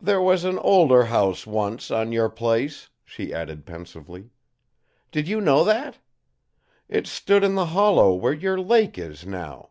"There was an older house once, on your place," she added pensively. "Did you know that? It stood in the hollow where your lake is now.